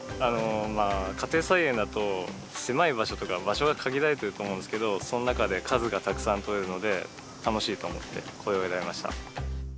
家庭菜園だと狭い場所とか場所が限られてると思うんですけどその中で数がたくさんとれるので楽しいと思ってこれを選びました。